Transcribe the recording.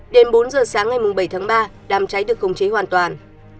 đến bốn h sáng ngày bảy tháng ba đám cháy được không chế hoàn toàn